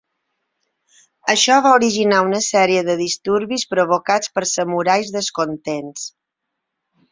Això va originar una sèrie de disturbis provocats per samurais descontents.